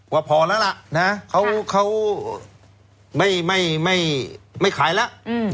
ว่าพอแล้วล่ะนะฮะเขาเขาไม่ไม่ไม่ไม่ขายล่ะอืม